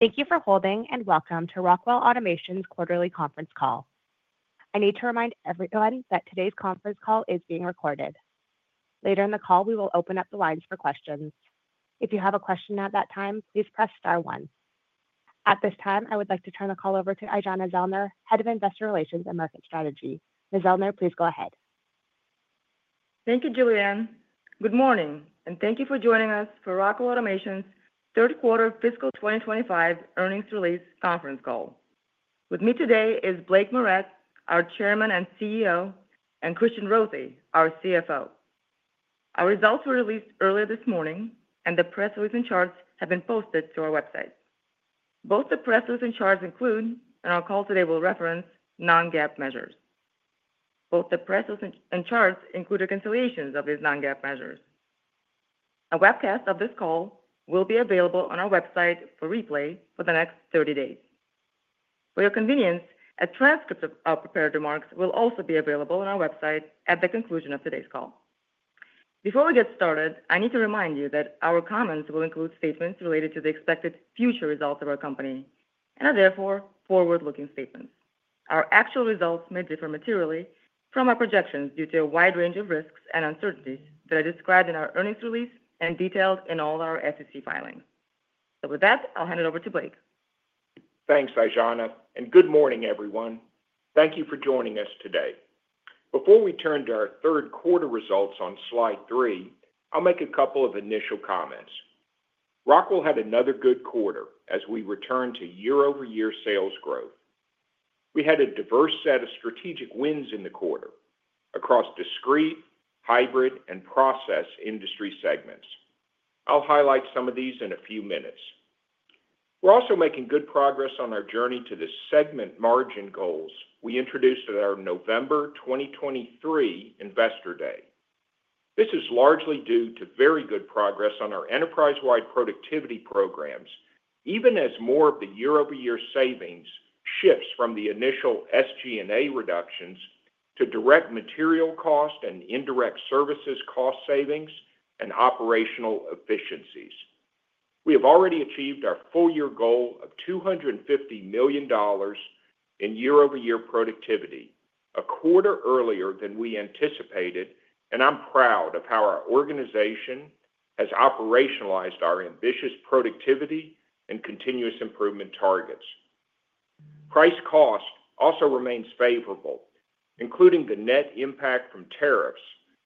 Thank you for holding and welcome to Rockwell Automation's quarterly conference call. I need to remind everybody that today's conference call is being recorded. Later in the call, we will open up the lines for questions. If you have a question at that time, please press star one. At this time, I would like to turn the call over to Aijana Zellner, Head of Investor Relations and Market Strategy. Ms. Zellner, please go ahead. Thank you, Julianne. Good morning, and thank you for joining us for Rockwell Automation's third quarter fiscal 2025 earnings release conference call. With me today is Blake Moret, our Chairman and CEO, and Christian Rothe, our CFO. Our results were released earlier this morning, and the pre-solution charts have been posted to our website. Both the pre-solution charts include, and our call today will reference, non-GAAP measures. Both the pre-solution charts include reconciliations of these non-GAAP measures. A webcast of this call will be available on our website for replay for the next 30 days. For your convenience, a transcript of our prepared remarks will also be available on our website at the conclusion of today's call. Before we get started, I need to remind you that our comments will include statements related to the expected future results of our company and are therefore forward-looking statements. Our actual results may differ materially from our projections due to a wide range of risks and uncertainties that are described in our earnings release and detailed in all our SEC filings. I'll hand it over to Blake. Thanks, Aijana, and good morning, everyone. Thank you for joining us today. Before we turn to our third quarter results on slide three, I'll make a couple of initial comments. Rockwell had another good quarter as we returned to year-over-year sales growth. We had a diverse set of strategic wins in the quarter across discrete, hybrid, and process industry segments. I'll highlight some of these in a few minutes. We're also making good progress on our journey to the segment margin goals we introduced at our November 2023 Investor Day. This is largely due to very good progress on our enterprise-wide productivity programs, even as more of the year-over-year savings shifts from the initial SG&A reductions to direct material cost and indirect services cost savings and operational efficiencies. We have already achieved our full-year goal of $250 million in year-over-year productivity, a quarter earlier than we anticipated, and I'm proud of how our organization has operationalized our ambitious productivity and continuous improvement targets. Price cost also remains favorable, including the net impact from tariffs,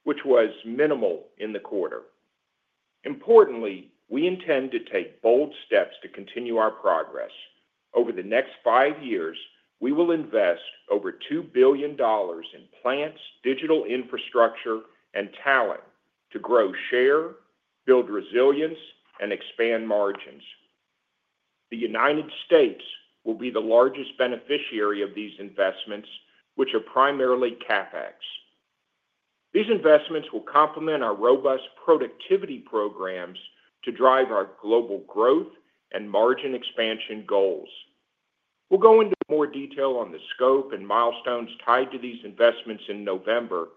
which was minimal in the quarter. Importantly, we intend to take bold steps to continue our progress. Over the next five years, we will invest over $2 billion in plants, digital infrastructure, and talent to grow share, build resilience, and expand margins. The U.S. will be the largest beneficiary of these investments, which are primarily CapEx. These investments will complement our robust productivity programs to drive our global growth and margin expansion goals. We'll go into more detail on the scope and milestones tied to these investments in November,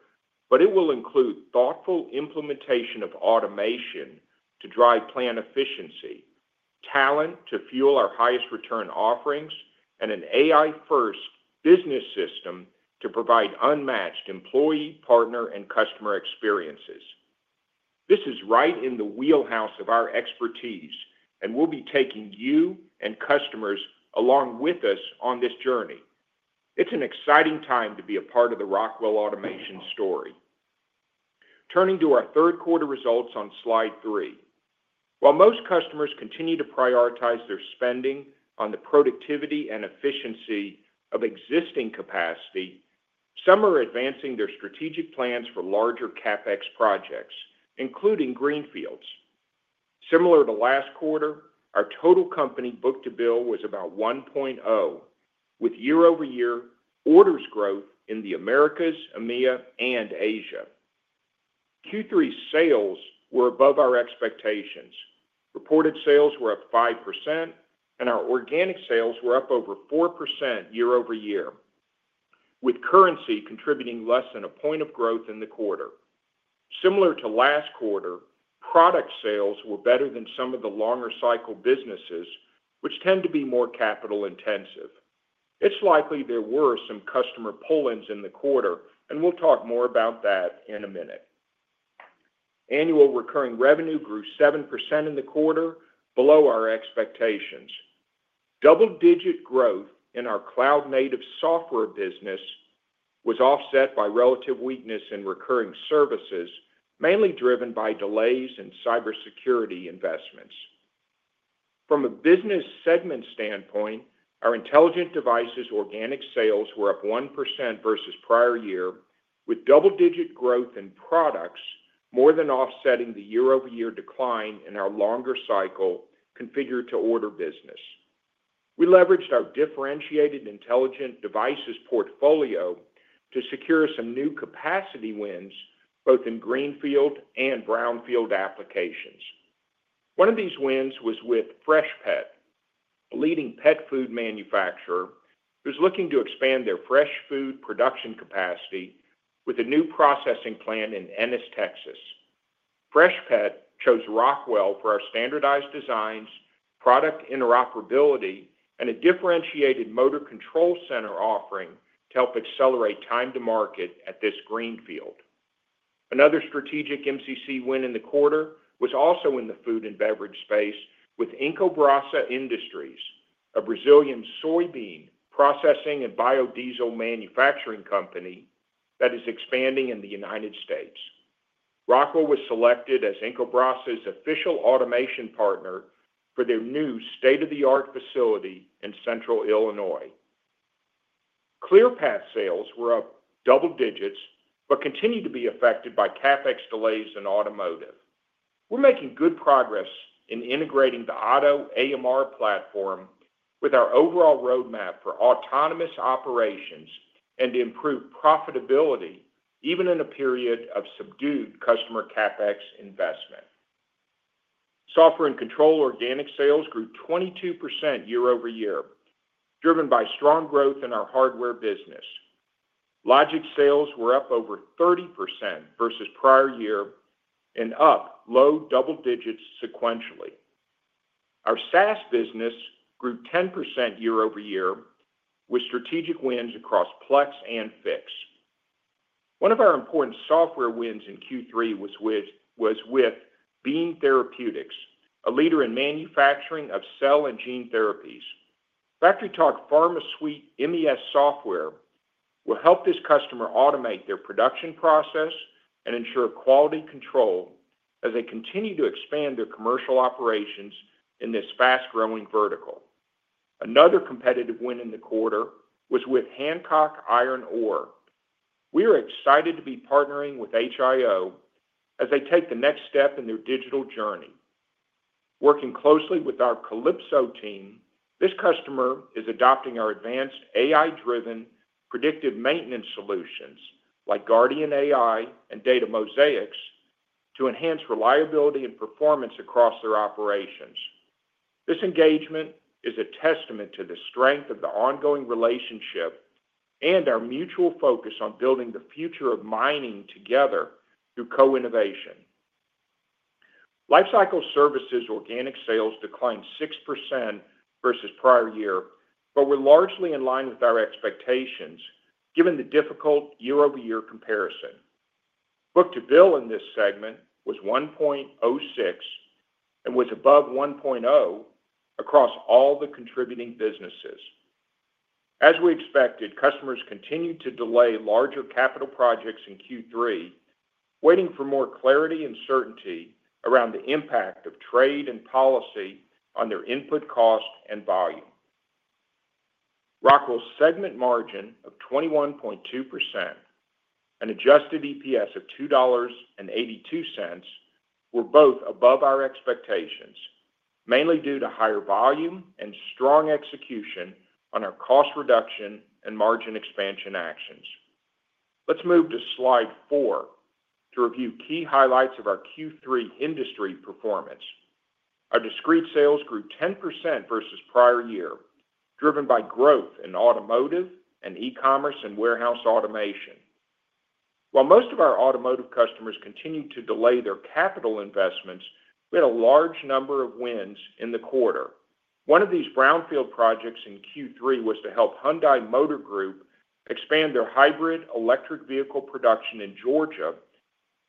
but it will include thoughtful implementation of automation to drive plant efficiency, talent to fuel our highest return offerings, and an AI-first business system to provide unmatched employee, partner, and customer experiences. This is right in the wheelhouse of our expertise, and we'll be taking you and customers along with us on this journey. It's an exciting time to be a part of the Rockwell Automation story. Turning to our third quarter results on slide three. While most customers continue to prioritize their spending on the productivity and efficiency of existing capacity, some are advancing their strategic plans for larger CapEx projects, including greenfields. Similar to last quarter, our total company book-to-bill was about 1.0, with year-over-year orders growth in the Americas, EMEA, and Asia. Q3 sales were above our expectations. Reported sales were up 5%, and our organic sales were up over 4% year-over-year, with currency contributing less than a point of growth in the quarter. Similar to last quarter, product sales were better than some of the longer cycle businesses, which tend to be more capital intensive. It's likely there were some customer pull-ins in the quarter, and we'll talk more about that in a minute. Annual recurring revenue grew 7% in the quarter, below our expectations. Double-digit growth in our cloud-native software business was offset by relative weakness in recurring services, mainly driven by delays in cybersecurity investments. From a business segment standpoint, our intelligent devices organic sales were up 1% versus prior year, with double-digit growth in products more than offsetting the year-over-year decline in our longer cycle configured to order business. We leveraged our differentiated intelligent devices portfolio to secure some new capacity wins both in greenfield and brownfield applications. One of these wins was with Freshpet, a leading pet food manufacturer who's looking to expand their fresh food production capacity with a new processing plant in Ennis, Texas. Freshpet chose Rockwell for our standardized designs, product interoperability, and a differentiated motor control center offering to help accelerate time to market at this greenfield. Another strategic MCC win in the quarter was also in the food and beverage space with Incobrasa Industries, a Brazilian soybean processing and biodiesel manufacturing company that is expanding in the United States. Rockwell was selected as Incobrasa Industries' official automation partner for their new state-of-the-art facility in Central Illinois. Clearpath sales were up double digits but continue to be affected by CapEx delays in automotive. We're making good progress in integrating the Auto AMR platform with our overall roadmap for autonomous operations and improved profitability, even in a period of subdued customer CapEx investment. Software and control organic sales grew 22% year-over-year, driven by strong growth in our hardware business. Logic sales were up over 30% versus prior year and up low double digits sequentially. Our SaaS business grew 10% year-over-year with strategic wins across Plex and Fix. One of our important software wins in Q3 was with Beam Therapeutics, a leader in manufacturing of cell and gene therapies. FactoryTalk PharmaSuite MES software will help this customer automate their production process and ensure quality control as they continue to expand their commercial operations in this fast-growing vertical. Another competitive win in the quarter was with Hancock Iron Ore. We are excited to be partnering with Hancock Iron Ore as they take the next step in their digital journey. Working closely with our Kalypso team, this customer is adopting our advanced AI-driven predictive maintenance solutions like GuardianAI and DataMosaix to enhance reliability and performance across their operations. This engagement is a testament to the strength of the ongoing relationship and our mutual focus on building the future of mining together through co-innovation. Lifecycle services organic sales declined 6% versus prior year, but were largely in line with our expectations given the difficult year-over-year comparison. Book-to-bill in this segment was 1.06 and was above 1.0 across all the contributing businesses. As we expected, customers continued to delay larger capital projects in Q3, waiting for more clarity and certainty around the impact of trade and policy on their input cost and volume. Rockwell's segment margin of 21.2% and adjusted EPS of $2.82 were both above our expectations, mainly due to higher volume and strong execution on our cost reduction and margin expansion actions. Let's move to slide four to review key highlights of our Q3 industry performance. Our discrete sales grew 10% versus prior year, driven by growth in automotive and e-commerce and warehouse automation. While most of our automotive customers continued to delay their capital investments, we had a large number of wins in the quarter. One of these brownfield projects in Q3 was to help Hyundai Motor Group expand their hybrid electric vehicle production in Georgia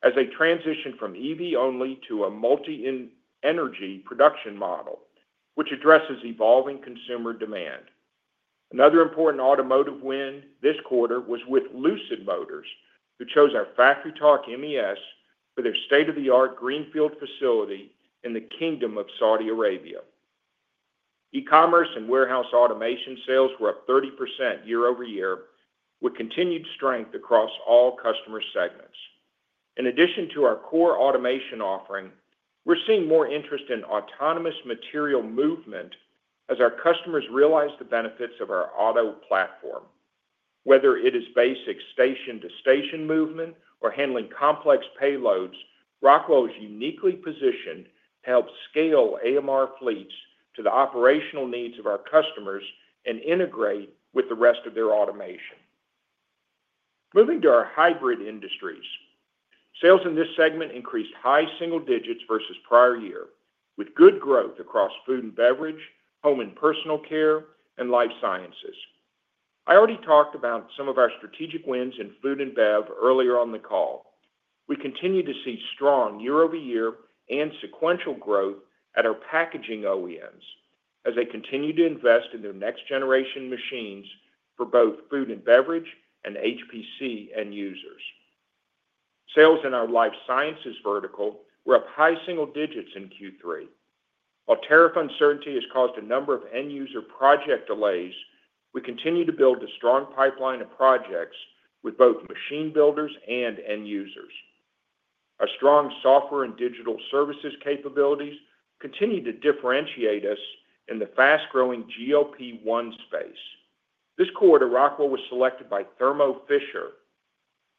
as they transitioned from EV only to a multi-energy production model, which addresses evolving consumer demand. Another important automotive win this quarter was with Lucid Motors, who chose our FactoryTalk MES for their state-of-the-art greenfield facility in the Kingdom of Saudi Arabia. E-commerce and warehouse automation sales were up 30% year-over-year with continued strength across all customer segments. In addition to our core automation offering, we're seeing more interest in autonomous material movement as our customers realize the benefits of our auto platform. Whether it is basic station-to-station movement or handling complex payloads, Rockwell is uniquely positioned to help scale AMR fleets to the operational needs of our customers and integrate with the rest of their automation. Moving to our hybrid industries, sales in this segment increased high single digits versus prior year, with good growth across food and beverage, home and personal care, and life sciences. I already talked about some of our strategic wins in food and beverage earlier on the call. We continue to see strong year-over-year and sequential growth at our packaging OEMs as they continue to invest in their next-generation machines for both food and beverage and HPC end users. Sales in our life sciences vertical were up high single digits in Q3. While tariff uncertainty has caused a number of end-user project delays, we continue to build a strong pipeline of projects with both machine builders and end users. Our strong software and digital services capabilities continue to differentiate us in the fast-growing GLP-1 space. This quarter, Rockwell was selected by Thermo Fisher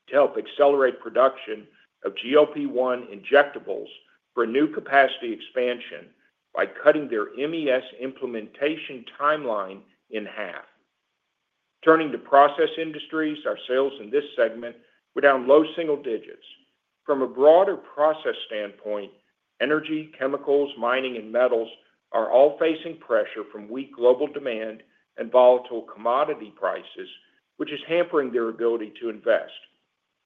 to help accelerate production of GLP-1 injectables for a new capacity expansion by cutting their MES implementation timeline in half. Turning to process industries, our sales in this segment were down low single digits. From a broader process standpoint, energy, chemicals, mining, and metals are all facing pressure from weak global demand and volatile commodity prices, which is hampering their ability to invest.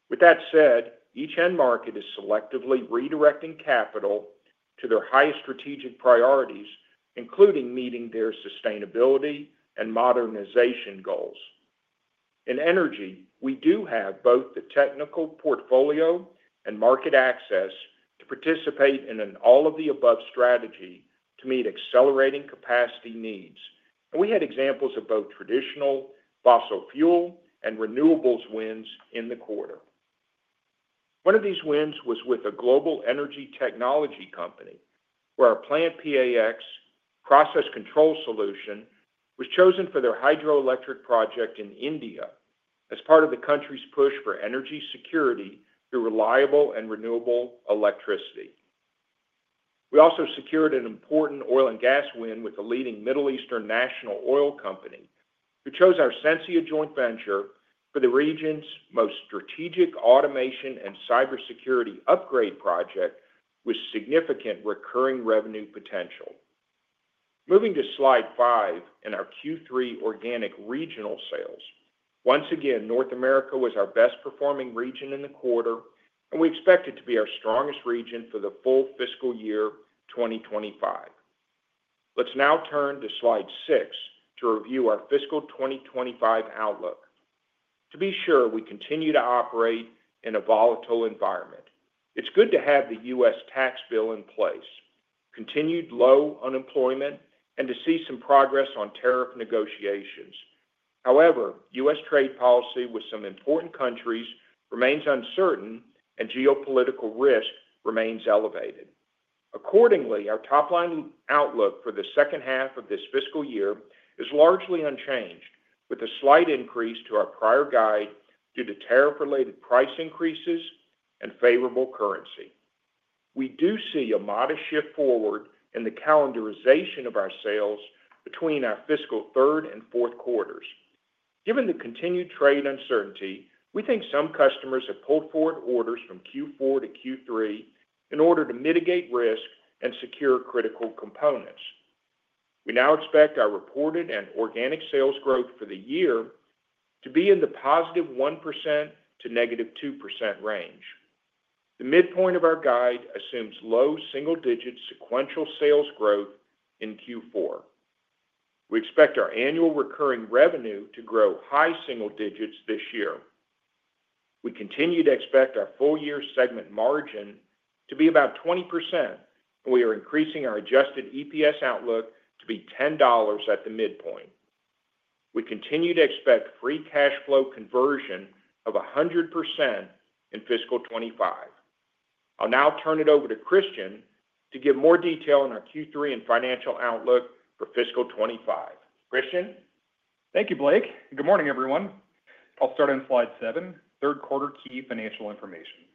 With that said, each end market is selectively redirecting capital to their highest strategic priorities, including meeting their sustainability and modernization goals. In energy, we do have both the technical portfolio and market access to participate in an all-of-the-above strategy to meet accelerating capacity needs. We had examples of both traditional fossil fuel and renewables wins in the quarter. One of these wins was with a global energy technology company where our PlantPAx process control solution was chosen for their hydroelectric project in India as part of the country's push for energy security through reliable and renewable electricity. We also secured an important oil and gas win with the leading Middle Eastern National Oil Company who chose our Sensia joint venture for the region's most strategic automation and cybersecurity upgrade project with significant recurring revenue potential. Moving to slide five in our Q3 organic regional sales, once again, North America was our best-performing region in the quarter, and we expect it to be our strongest region for the full fiscal year 2025. Let's now turn to slide six to review our fiscal 2025 outlook. To be sure we continue to operate in a volatile environment, it's good to have the U.S. tax bill in place, continued low unemployment, and to see some progress on tariff negotiations. However, U.S. trade policy with some important countries remains uncertain, and geopolitical risk remains elevated. Accordingly, our top-line outlook for the second half of this fiscal year is largely unchanged, with a slight increase to our prior guide due to tariff-related price increases and favorable currency. We do see a modest shift forward in the calendarization of our sales between our fiscal third and fourth quarters. Given the continued trade uncertainty, we think some customers have pulled forward orders from Q4 to Q3 in order to mitigate risk and secure critical components. We now expect our reported and organic sales growth for the year to be in the +1% to -2% range. The midpoint of our guide assumes low single-digit sequential sales growth in Q4. We expect our annual recurring revenue to grow high single digits this year. We continue to expect our full-year segment margin to be about 20%, and we are increasing our adjusted EPS outlook to be $10 at the midpoint. We continue to expect free cash flow conversion of 100% in fiscal 2025. I'll now turn it over to Christian to give more detail on our Q3 and financial outlook for fiscal 2025. Christian. Thank you, Blake. Good morning, everyone. I'll start on slide seven, third quarter key financial information.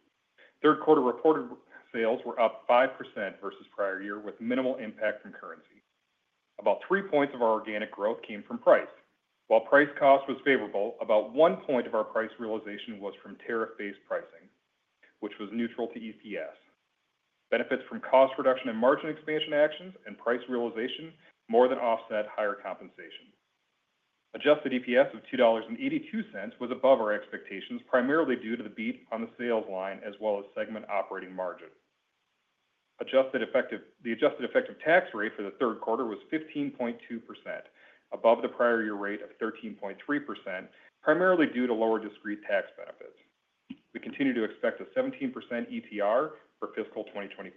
Third quarter reported sales were up 5% versus prior year, with minimal impact from currency. About three points of our organic growth came from price. While price cost was favorable, about one point of our price realization was from tariff-based pricing, which was neutral to EPS. Benefits from cost reduction and margin expansion actions and price realization more than offset higher compensation. Adjusted EPS of $2.82 was above our expectations, primarily due to the beat on the sales line as well as segment operating margin. The adjusted effective tax rate for the third quarter was 15.2%, above the prior year rate of 13.3%, primarily due to lower discrete tax benefits. We continue to expect a 17% ETR for fiscal 2025.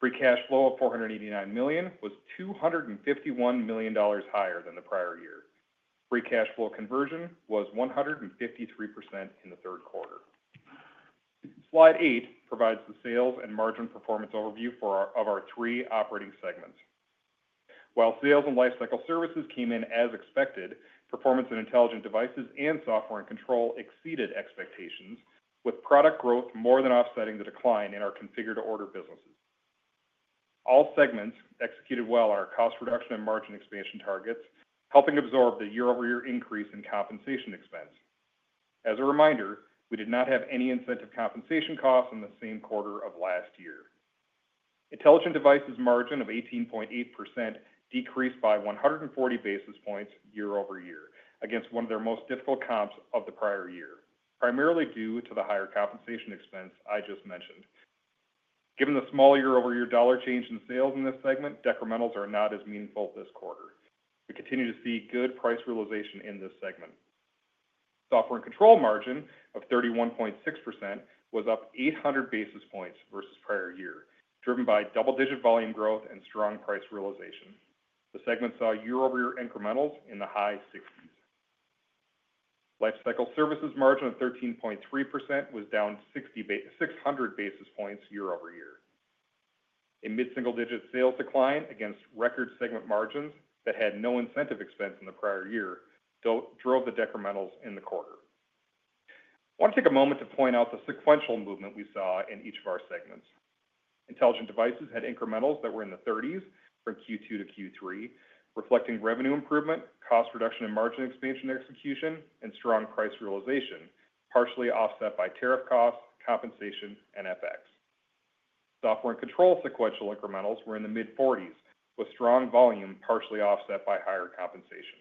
Free cash flow of $489 million was $251 million higher than the prior year. Free cash flow conversion was 153% in the third quarter. Slide eight provides the sales and margin performance overview of our three operating segments. While sales and lifecycle services came in as expected, performance in intelligent devices and software and control exceeded expectations, with product growth more than offsetting the decline in our configured order businesses. All segments executed well on our cost reduction and margin expansion targets, helping absorb the year-over-year increase in compensation expense. As a reminder, we did not have any incentive compensation costs in the same quarter of last year. Intelligent devices' margin of 18.8% decreased by 140 basis points year-over-year against one of their most difficult comps of the prior year, primarily due to the higher compensation expense I just mentioned. Given the small year-over-year dollar change in sales in this segment, decrementals are not as meaningful this quarter. We continue to see good price realization in this segment. Software and control margin of 31.6% was up 800 basis points versus prior year, driven by double-digit volume growth and strong price realization. The segment saw year-over-year incrementals in the high 60s. Lifecycle services' margin of 13.3% was down 600 basis points year-over-year. A mid-single-digit sales decline against record segment margins that had no incentive expense in the prior year drove the decrementals in the quarter. I want to take a moment to point out the sequential movement we saw in each of our segments. Intelligent devices had incrementals that were in the 30s from Q2 to Q3, reflecting revenue improvement, cost reduction and margin expansion execution, and strong price realization, partially offset by tariff costs, compensation, and FX. Software and control sequential incrementals were in the mid-40s, with strong volume partially offset by higher compensation.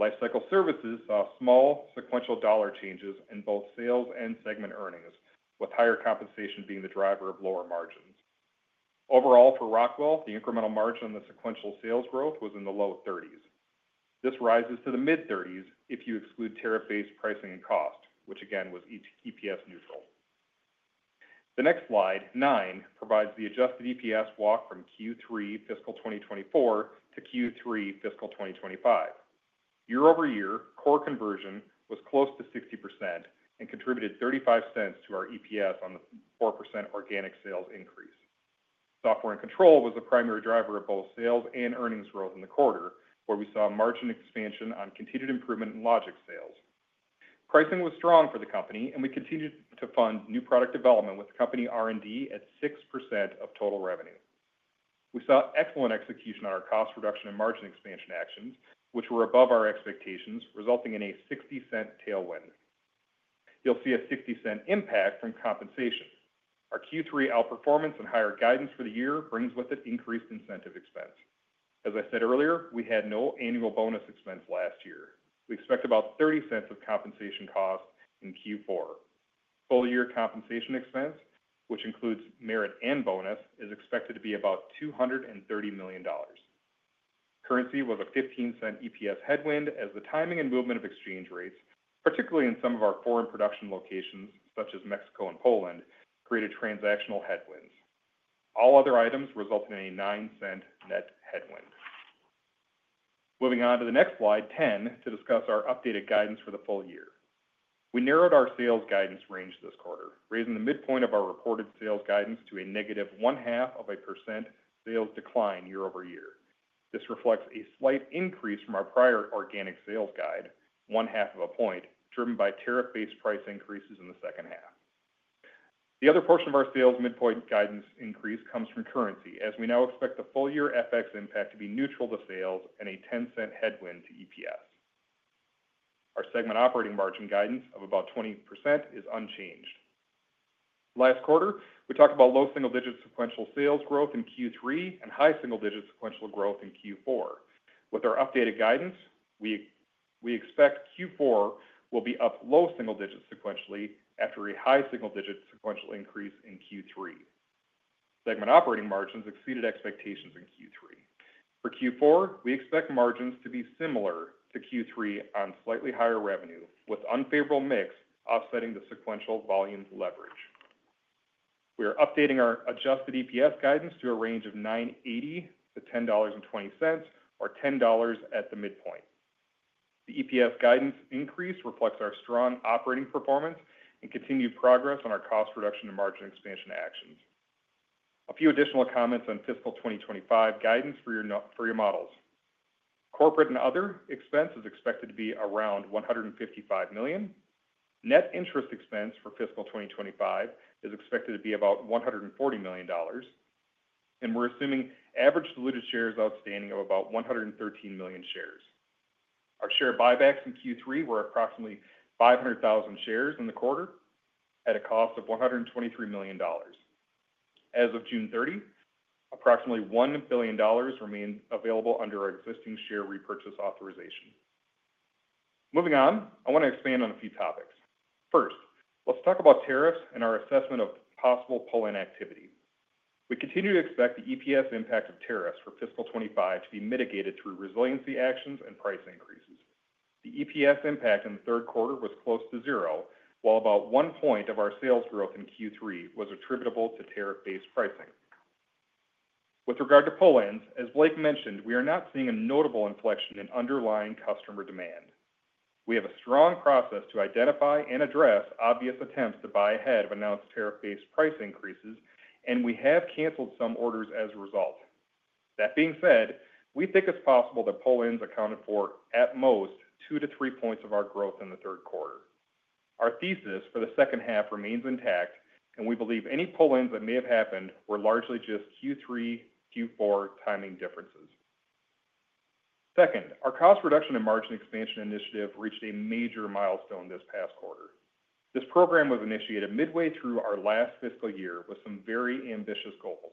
Lifecycle services saw small sequential dollar changes in both sales and segment earnings, with higher compensation being the driver of lower margins. Overall, for Rockwell, the incremental margin in the sequential sales growth was in the low 30s. This rises to the mid-30s if you exclude tariff-based pricing and cost, which again was EPS neutral. The next slide, nine, provides the adjusted EPS walk from Q3 fiscal 2024 to Q3 fiscal 2025. year-over-year, core conversion was close to 60% and contributed $0.35 to our EPS on the 4% organic sales increase. Software and control was the primary driver of both sales and earnings growth in the quarter, where we saw margin expansion on continued improvement in logic sales. Pricing was strong for the company, and we continued to fund new product development with the company R&D at 6% of total revenue. We saw excellent execution on our cost reduction and margin expansion actions, which were above our expectations, resulting in a $0.60 tailwind. You'll see a $0.60 impact on compensation. Our Q3 outperformance and higher guidance for the year brings with it increased incentive expense. As I said earlier, we had no annual bonus expense last year. We expect about $0.30 of compensation cost in Q4. Full-year compensation expense, which includes merit and bonus, is expected to be about $230 million. Currency was a $0.15 EPS headwind as the timing and movement of exchange rates, particularly in some of our foreign production locations such as Mexico and Poland, created transactional headwinds. All other items resulted in a $0.09 net headwind. Moving on to the next slide, 10, to discuss our updated guidance for the full year. We narrowed our sales guidance range this quarter, raising the midpoint of our reported sales guidance to a -0.5% sales decline year-over-year. This reflects a slight increase from our prior organic sales guide, 0.5 of a point, driven by tariff-based price increases in the second half. The other portion of our sales midpoint guidance increase comes from currency, as we now expect the full-year FX impact to be neutral to sales and a $0.10 headwind to EPS. Our segment operating margin guidance of about 20% is unchanged. Last quarter, we talked about low single-digit sequential sales growth in Q3 and high single-digit sequential growth in Q4. With our updated guidance, we expect Q4 will be up low single-digit sequentially after a high single-digit sequential increase in Q3. Segment operating margins exceeded expectations in Q3. For Q4, we expect margins to be similar to Q3 on slightly higher revenue, with unfavorable mix offsetting the sequential volume leverage. We are updating our adjusted EPS guidance to a range of $9.80-$10.20, or $10 at the midpoint. The EPS guidance increase reflects our strong operating performance and continued progress on our cost reduction and margin expansion actions. A few additional comments on fiscal 2025 guidance for your models. Corporate and other expense is expected to be around $155 million. Net interest expense for fiscal 2025 is expected to be about $140 million, and we're assuming average diluted shares outstanding of about 113 million shares. Our share buybacks in Q3 were approximately 500,000 shares in the quarter at a cost of $123 million. As of June 30, approximately $1 billion remain available under our existing share repurchase authorization. Moving on, I want to expand on a few topics. First, let's talk about tariffs and our assessment of possible pull-in activity. We continue to expect the EPS impact of tariffs for fiscal 2025 to be mitigated through resiliency actions and price increases. The EPS impact in the third quarter was close to zero, while about one point of our sales growth in Q3 was attributable to tariff-based pricing. With regard to pull-ins, as Blake mentioned, we are not seeing a notable inflection in underlying customer demand. We have a strong process to identify and address obvious attempts to buy ahead of announced tariff-based price increases, and we have canceled some orders as a result. That being said, we think it's possible that pull-ins accounted for at most two to three points of our growth in the third quarter. Our thesis for the second half remains intact, and we believe any pull-ins that may have happened were largely just Q3, Q4 timing differences. Second, our cost reduction and margin expansion initiative reached a major milestone this past quarter. This program was initiated midway through our last fiscal year with some very ambitious goals: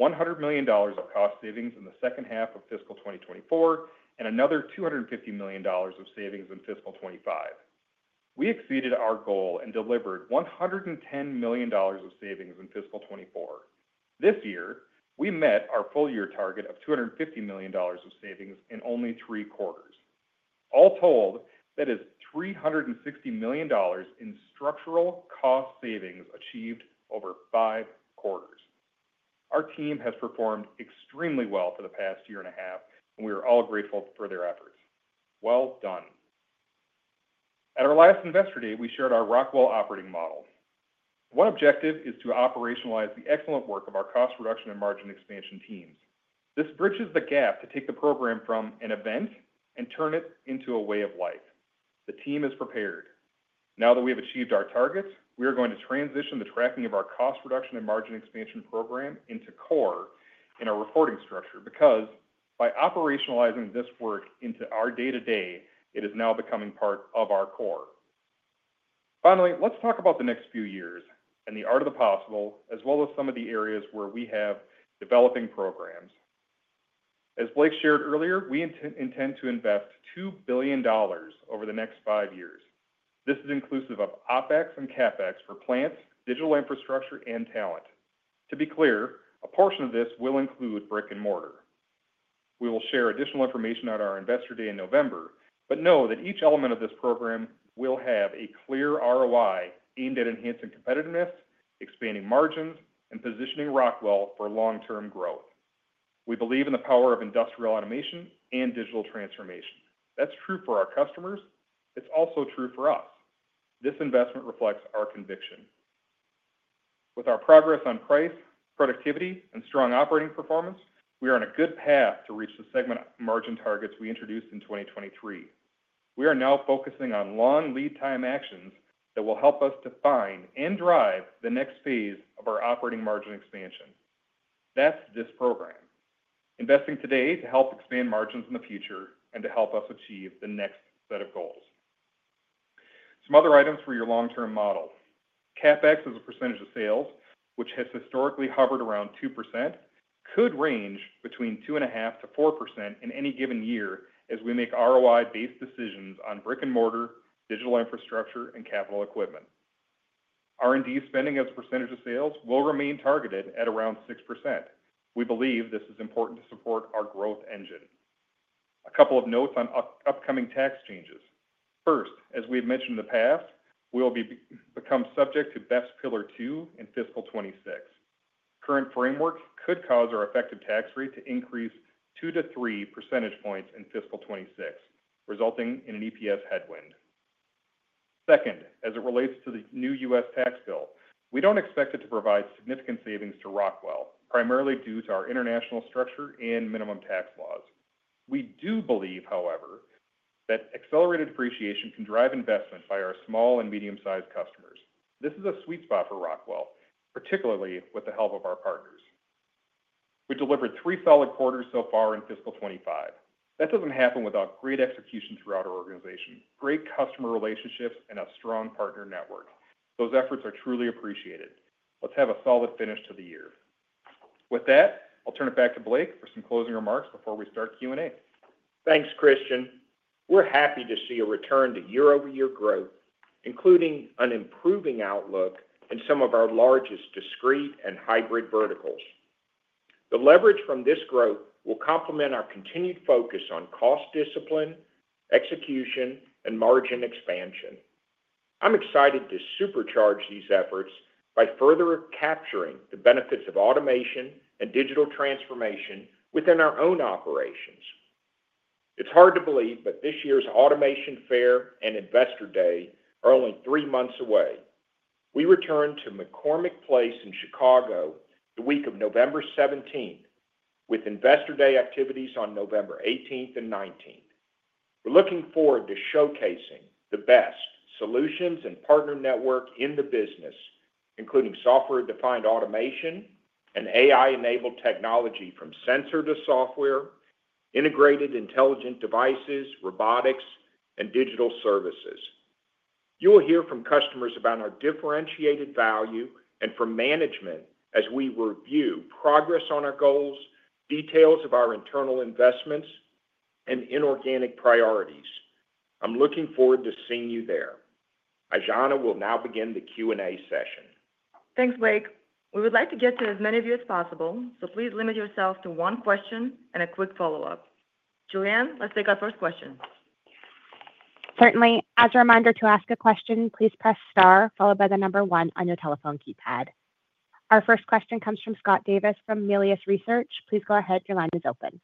$100 million of cost savings in the second half of fiscal 2024 and another $250 million of savings in fiscal 2025. We exceeded our goal and delivered $110 million of savings in fiscal 2024. This year, we met our full-year target of $250 million of savings in only three quarters. All told, that is $360 million in structural cost savings achieved over five quarters. Our team has performed extremely well for the past year and a half, and we are all grateful for their efforts. Well done. At our last Investor Day, we shared our Rockwell operating model. One objective is to operationalize the excellent work of our cost reduction and margin expansion teams. This bridges the gap to take the program from an event and turn it into a way of life. The team is prepared. Now that we have achieved our targets, we are going to transition the tracking of our cost reduction and margin expansion program into core in our reporting structure because by operationalizing this work into our day-to-day, it is now becoming part of our core. Finally, let's talk about the next few years and the art of the possible, as well as some of the areas where we have developing programs. As Blake shared earlier, we intend to invest $2 billion over the next five years. This is inclusive of OpEx and CapEx for plants, digital infrastructure, and talent. To be clear, a portion of this will include brick and mortar. We will share additional information at our Investor Day in November, but know that each element of this program will have a clear ROI aimed at enhancing competitiveness, expanding margins, and positioning Rockwell for long-term growth. We believe in the power of industrial automation and digital transformation. That's true for our customers. It's also true for us. This investment reflects our conviction. With our progress on price, productivity, and strong operating performance, we are on a good path to reach the segment margin targets we introduced in 2023. We are now focusing on long lead-time actions that will help us define and drive the next phase of our operating margin expansion. That's this program. Investing today to help expand margins in the future and to help us achieve the next set of goals. Some other items for your long-term model. CapEx as a percentage of sales, which has historically hovered around 2%, could range between 2.5%-4% in any given year as we make ROI-based decisions on brick and mortar, digital infrastructure, and capital equipment. R&D spending as a percentage of sales will remain targeted at around 6%. We believe this is important to support our growth engine. A couple of notes on upcoming tax changes. First, as we had mentioned in the past, we'll become subject to BEPS Pillar Two in fiscal 2026. Current framework could cause our effective tax rate to increase 2%-3% in fiscal 2026, resulting in an EPS headwind. Second, as it relates to the new U.S. tax bill, we don't expect it to provide significant savings to Rockwell, primarily due to our international structure and minimum tax laws. We do believe, however, that accelerated appreciation can drive investment by our small and medium-sized customers. This is a sweet spot for Rockwell, particularly with the help of our partners. We delivered three solid quarters so far in fiscal 2025. That doesn't happen without great execution throughout our organization, great customer relationships, and a strong partner network. Those efforts are truly appreciated. Let's have a solid finish to the year. With that, I'll turn it back to Blake for some closing remarks before we start Q&A. Thanks, Christian. We're happy to see a return to year-over-year growth, including an improving outlook in some of our largest discrete and hybrid verticals. The leverage from this growth will complement our continued focus on cost discipline, execution, and margin expansion. I'm excited to supercharge these efforts by further capturing the benefits of automation and digital transformation within our own operations. It's hard to believe, but this year's Automation Fair and Investor Day are only three months away. We return to McCormick Place in Chicago the week of November 17, with Investor Day activities on November 18 and 19. We're looking forward to showcasing the best solutions and partner network in the business, including software-defined automation and AI-enabled technology from sensor to software, integrated intelligent devices, robotics, and digital services. You'll hear from customers about our differentiated value and from management as we review progress on our goals, details of our internal investments, and inorganic priorities. I'm looking forward to seeing you there. Aijana will now begin the Q&A session. Thanks, Blake. We would like to get to as many of you as possible, so please limit yourself to one question and a quick follow-up. Julianne, let's take our first question. Certainly. As a reminder, to ask a question, please press star followed by the number one on your telephone keypad. Our first question comes from Scott Davis from Melius Research. Please go ahead. Your line is open.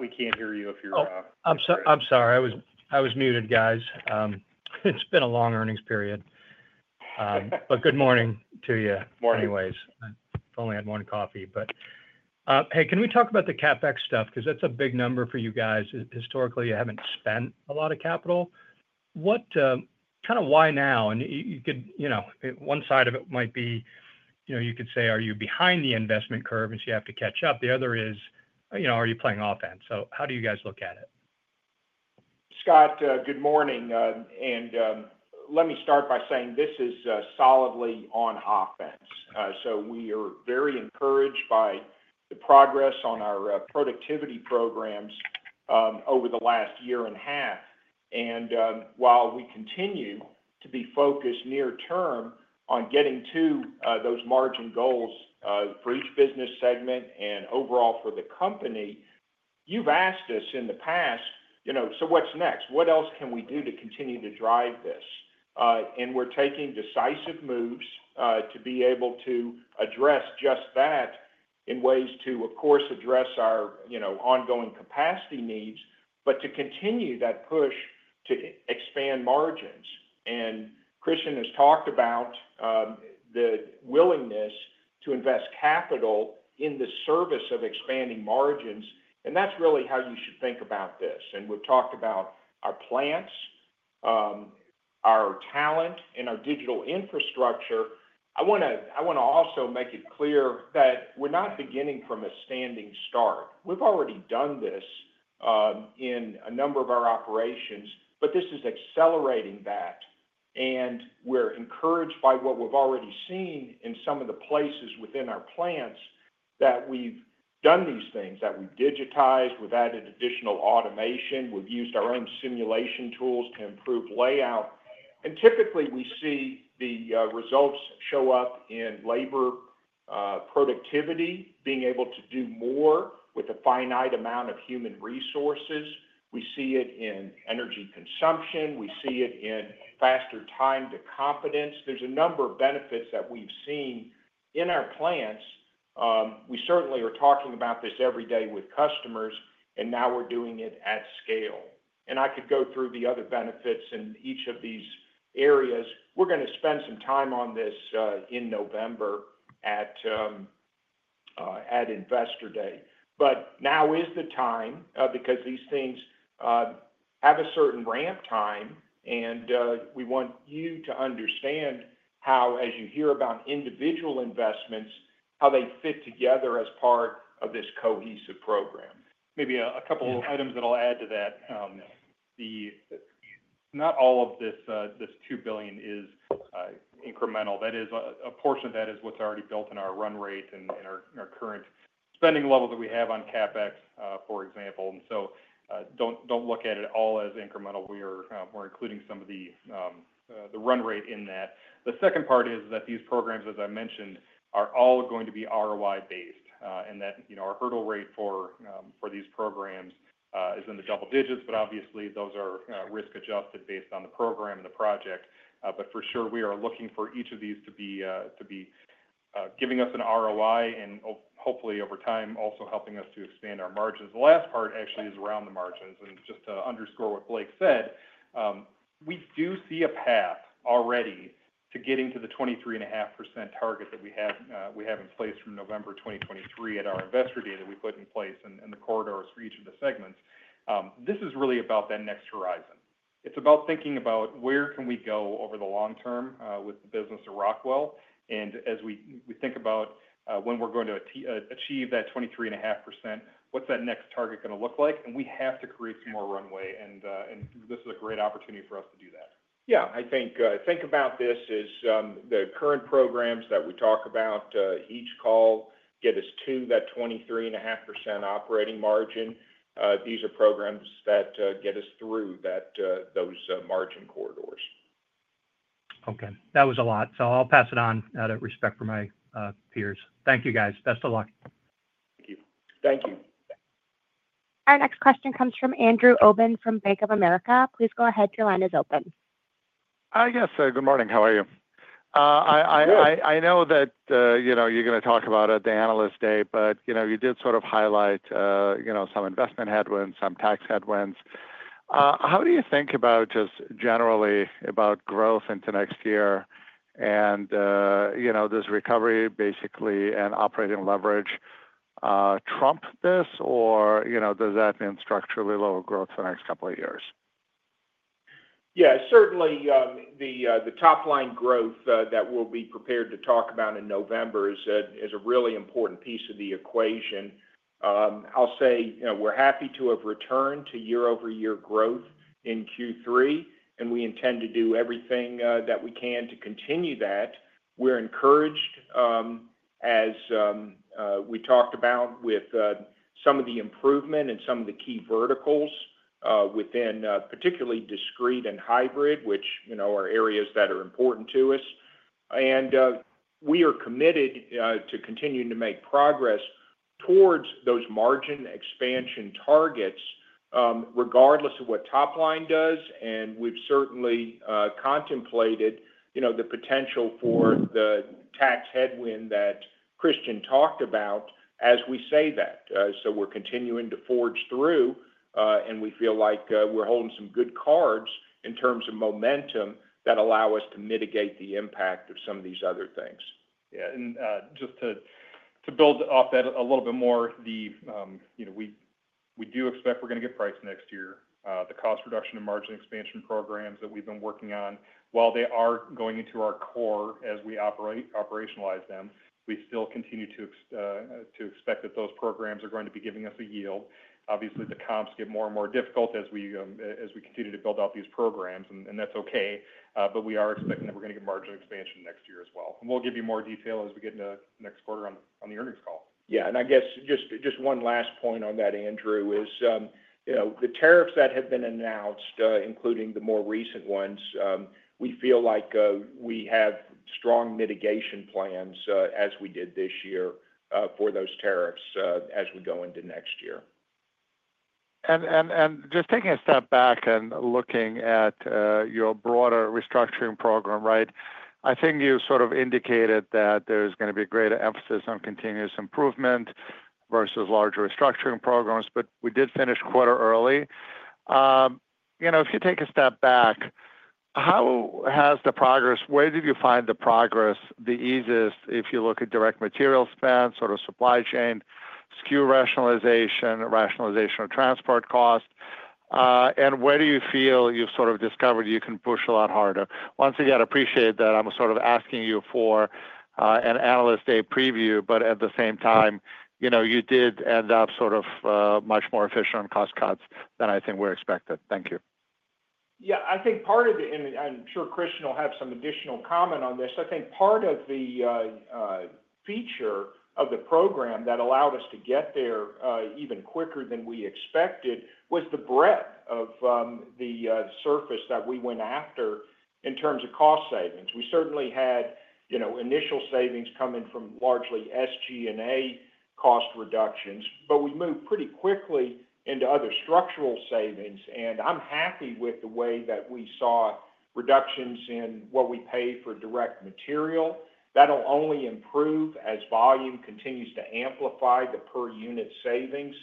We can't hear you. Oh, I'm sorry. I was muted, guys. It's been a long earnings period. Good morning to you anyways. If only I had one coffee, but hey, can we talk about the CapEx stuff? That's a big number for you guys. Historically, you haven't spent a lot of capital. Why now? You could, you know, one side of it might be, you know, you could say, are you behind the investment curve and so you have to catch up? The other is, you know, are you playing offense? How do you guys look at it? Scott, good morning. Let me start by saying this is solidly on offense. We are very encouraged by the progress on our productivity programs over the last year and a half. While we continue to be focused near-term on getting to those margin goals for each business segment and overall for the company, you've asked us in the past, you know, what's next? What else can we do to continue to drive this? We're taking decisive moves to be able to address just that in ways to, of course, address our ongoing capacity needs, but to continue that push to expand margins. Christian has talked about the willingness to invest capital in the service of expanding margins. That's really how you should think about this. We've talked about our plants, our talent, and our digital infrastructure. I want to also make it clear that we're not beginning from a standing start. We've already done this in a number of our operations, but this is accelerating that. We're encouraged by what we've already seen in some of the places within our plants that we've done these things, that we've digitized, we've added additional automation, we've used our own simulation tools to improve layout. Typically, we see the results show up in labor productivity, being able to do more with a finite amount of human resources. We see it in energy consumption. We see it in faster time to competence. There's a number of benefits that we've seen in our plants. We certainly are talking about this every day with customers, and now we're doing it at scale. I could go through the other benefits in each of these areas. We're going to spend some time on this in November at Investor Day. Now is the time because these things have a certain ramp time, and we want you to understand how, as you hear about individual investments, how they fit together as part of this cohesive program. Maybe a couple of items that I'll add to that. Not all of this $2 billion is incremental. A portion of that is what's already built in our run rate and in our current spending level that we have on CapEx, for example. Do not look at it all as incremental. We are including some of the run rate in that. The second part is that these programs, as I mentioned, are all going to be ROI-based, and our hurdle rate for these programs is in the double digits, but obviously, those are risk-adjusted based on the program and the project. For sure, we are looking for each of these to be giving us an ROI and hopefully, over time, also helping us to expand our margins. The last part actually is around the margins. Just to underscore what Blake said, we do see a path already to getting to the 23.5% target that we have in place from November 2023 at our Investor Day that we put in place and the corridors for each of the segments. This is really about that next horizon. It's about thinking about where can we go over the long term with the business of Rockwell. As we think about when we're going to achieve that 23.5%, what's that next target going to look like? We have to create some more runway, and this is a great opportunity for us to do that. I think about this as the current programs that we talk about each call get us to that 23.5% operating margin. These are programs that get us through those margin corridors. That was a lot. I'll pass it on out of respect for my peers. Thank you, guys. Best of luck. Thank you. Thank you. Our next question comes from Andrew Obin from Bank of America. Please go ahead. Your line is open. Yes. Good morning. How are you? I know that you're going to talk about it at the Analyst Day, but you did sort of highlight some investment headwinds, some tax headwinds. How do you think about just generally about growth into next year? Does recovery basically and operating leverage trump this, or does that mean structurally lower growth for the next couple of years? Yeah, certainly the top-line growth that we'll be prepared to talk about in November is a really important piece of the equation. I'll say we're happy to have returned to year-over-year growth in Q3, and we intend to do everything that we can to continue that. We're encouraged, as we talked about, with some of the improvement and some of the key verticals within particularly discrete and hybrid, which are areas that are important to us. We are committed to continuing to make progress towards those margin expansion targets, regardless of what top-line does. We've certainly contemplated the potential for the tax headwind that Christian talked about as we say that. We're continuing to forge through, and we feel like we're holding some good cards in terms of momentum that allow us to mitigate the impact of some of these other things. Yeah, and just to build up that a little bit more, you know, we do expect we're going to get price next year. The cost reduction and margin expansion programs that we've been working on, while they are going into our core as we operationalize them, we still continue to expect that those programs are going to be giving us a yield. Obviously, the comps get more and more difficult as we continue to build out these programs, and that's okay. We are expecting that we're going to get margin expansion next year as well. We'll give you more detail as we get into the next quarter on the earnings call. Yeah, I guess just one last point on that, Andrew, is, you know, the tariffs that have been announced, including the more recent ones, we feel like we have strong mitigation plans as we did this year for those tariffs as we go into next year. Taking a step back and looking at your broader restructuring program, I think you indicated that there's going to be a greater emphasis on continuous improvement versus larger restructuring programs, but we did finish the quarter early. If you take a step back, how has the progress been, where did you find the progress the easiest if you look at direct material spend, supply chain, SKU rationalization, rationalization of transport cost, and where do you feel you've discovered you can push a lot harder? Once again, I appreciate that I'm asking you for an analyst day preview, but at the same time, you did end up much more efficient on cost cuts than I think we expected. Thank you. Yeah, I think part of the, and I'm sure Christian will have some additional comment on this, I think part of the feature of the program that allowed us to get there even quicker than we expected was the breadth of the surface that we went after in terms of cost savings. We certainly had initial savings coming from largely SG&A cost reductions, but we moved pretty quickly into other structural savings. I'm happy with the way that we saw reductions in what we pay for direct material. That'll only improve as volume continues to amplify the per unit savings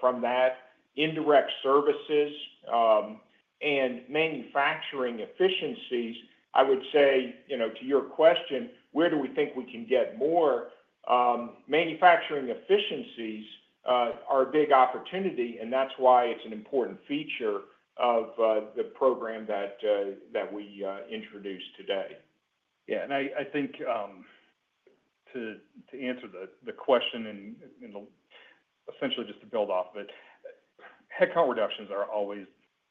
from that. Indirect services and manufacturing efficiencies, I would say, to your question, where do we think we can get more? Manufacturing efficiencies are a big opportunity, and that's why it's an important feature of the program that we introduced today. Yeah, and I think to answer the question and essentially just to build off of it, headcount reductions are always,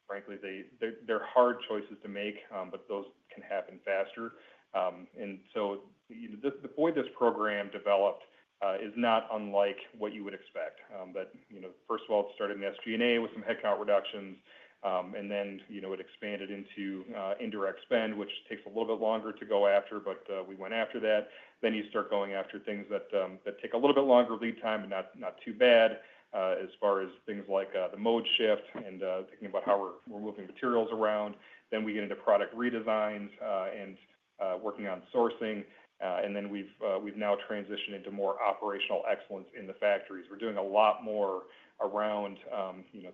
frankly, they're hard choices to make, but those can happen faster. The way this program developed is not unlike what you would expect. First of all, it started in SG&A with some headcount reductions, and then it expanded into indirect spend, which takes a little bit longer to go after, but we went after that. You start going after things that take a little bit longer lead time and not too bad as far as things like the mode shift and thinking about how we're moving materials around. We get into product redesigns and working on sourcing, and we've now transitioned into more operational excellence in the factories. We're doing a lot more around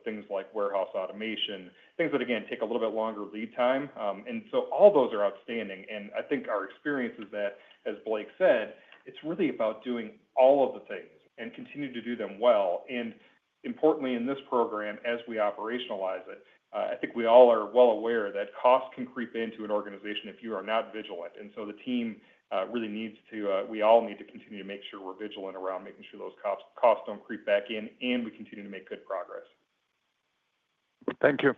things like warehouse automation, things that, again, take a little bit longer lead time. All those are outstanding. I think our experience is that, as Blake said, it's really about doing all of the things and continuing to do them well. Importantly, in this program, as we operationalize it, I think we all are well aware that costs can creep into an organization if you are not vigilant. The team really needs to, we all need to continue to make sure we're vigilant around making sure those costs don't creep back in and we continue to make good progress. Thank you.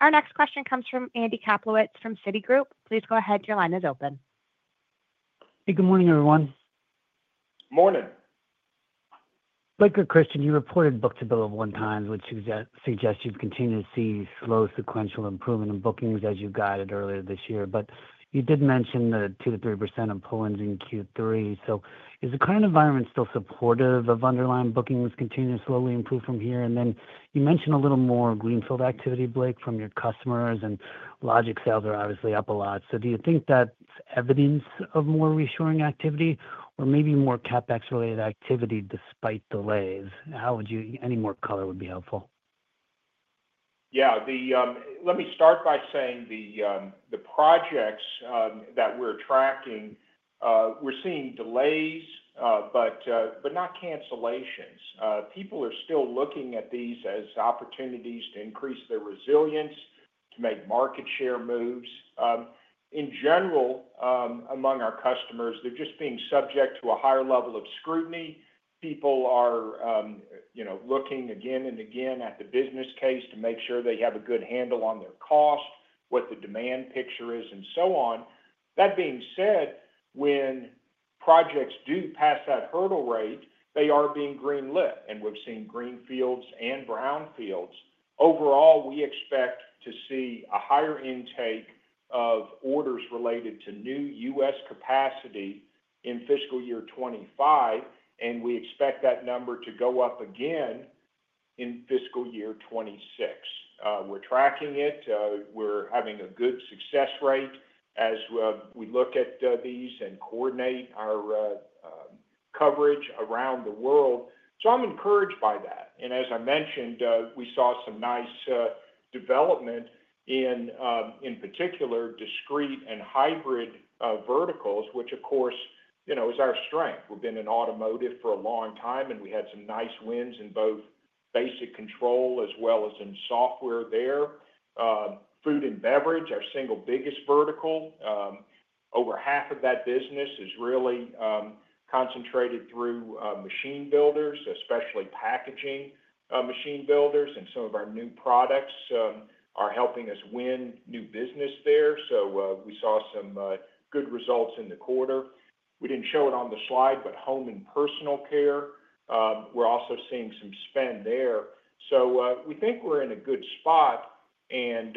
Our next question comes from Andy Kaplowitz from Citigroup. Please go ahead. Your line is open. Hey, good morning, everyone. Morning. Like Christian, you reported book-to-bill at one time, which suggests you've continued to see slow sequential improvement in bookings as you guided earlier this year. You did mention the 2 to 3% of pull-ins in Q3. Is the current environment still supportive of underlying bookings continuing to slowly improve from here? You mentioned a little more greenfield activity, Blake, from your customers, and logic sales are obviously up a lot. Do you think that's evidence of more reassuring activity or maybe more CapEx-related activity despite delays? Any more color would be helpful. Let me start by saying the projects that we're tracking, we're seeing delays, but not cancellations. People are still looking at these as opportunities to increase their resilience, to make market share moves. In general, among our customers, they're just being subject to a higher level of scrutiny. People are looking again and again at the business case to make sure they have a good handle on their cost, what the demand picture is, and so on. That being said, when projects do pass that hurdle rate, they are being greenlit, and we've seen greenfields and brownfields. Overall, we expect to see a higher intake of orders related to new U.S. capacity in fiscal year 2025, and we expect that number to go up again in fiscal year 2026. We're tracking it. We're having a good success rate as we look at these and coordinate our coverage around the world. I'm encouraged by that. As I mentioned, we saw some nice development in, in particular, discrete and hybrid verticals, which, of course, is our strength. We've been in automotive for a long time, and we had some nice wins in both basic control as well as in software there. Food and beverage, our single biggest vertical, over half of that business is really concentrated through machine builders, especially packaging machine builders. Some of our new products are helping us win new business there. We saw some good results in the quarter. We didn't show it on the slide, but home and personal care, we're also seeing some spend there. We think we're in a good spot, and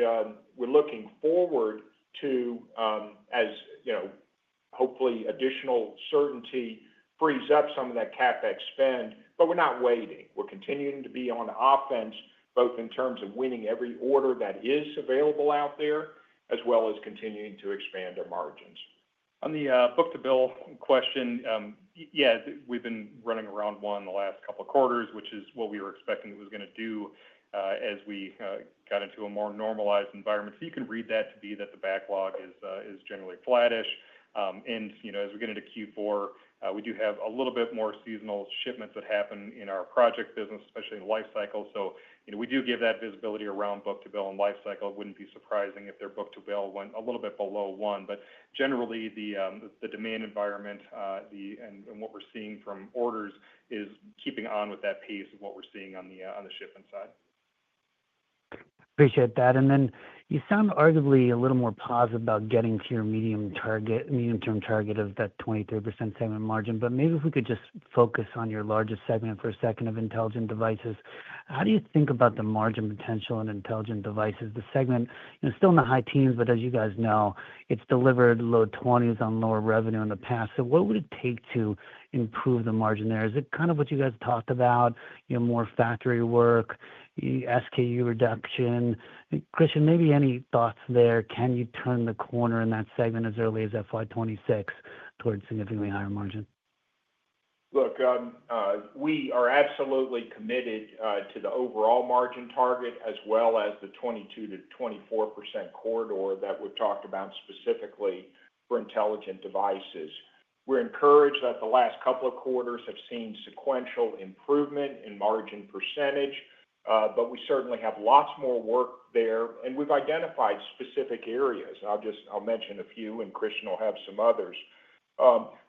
we're looking forward to, as you know, hopefully additional certainty frees up some of that CapEx spend. We're not waiting. We're continuing to be on the offense, both in terms of winning every order that is available out there, as well as continuing to expand our margins. On the book-to-bill question, yeah, we've been running around one the last couple of quarters, which is what we were expecting it was going to do as we got into a more normalized environment. You can read that to be that the backlog is generally flattish. As we get into Q4, we do have a little bit more seasonal shipments that happen in our project business, especially in lifecycle. We do give that visibility around book-to-bill and lifecycle. It wouldn't be surprising if their book-to-bill went a little bit below one. Generally, the demand environment and what we're seeing from orders is keeping on with that pace of what we're seeing on the shipment side. Appreciate that. You sound arguably a little more positive about getting to your medium-term target of that 23% segment margin. Maybe if we could just focus on your largest segment for a second, intelligent devices. How do you think about the margin potential in intelligent devices? The segment is still in the high teens, but as you guys know, it's delivered low 20s on lower revenue in the past. What would it take to improve the margin there? Is it kind of what you guys talked about, you know, more factory work, the SKU reduction? Christian, maybe any thoughts there? Can you turn the corner in that segment as early as FY 2026 towards significantly higher margin? Look, we are absolutely committed to the overall margin target as well as the 22%-24% corridor that we've talked about specifically for intelligent devices. We're encouraged that the last couple of quarters have seen sequential improvement in margin percentage, but we certainly have lots more work there. We've identified specific areas, and I'll just mention a few, and Christian will have some others.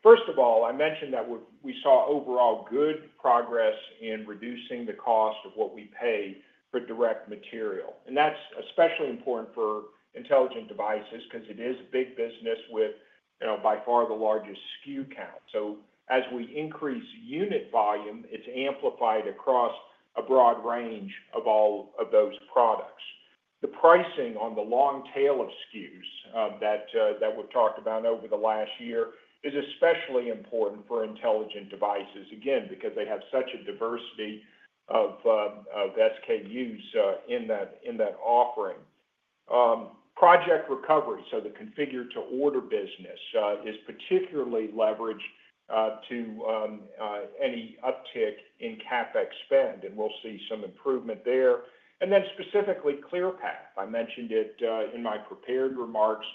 First of all, I mentioned that we saw overall good progress in reducing the cost of what we pay for direct material. That's especially important for intelligent devices because it is a big business with, you know, by far the largest SKU count. As we increase unit volume, it's amplified across a broad range of all of those products. The pricing on the long tail of SKUs that we've talked about over the last year is especially important for intelligent devices, again, because they have such a diversity of SKUs in that offering. Project recovery, so the configure-to-order business is particularly leveraged to any uptick in CapEx spend, and we'll see some improvement there. Specifically, Clearpath. I mentioned it in my prepared remarks.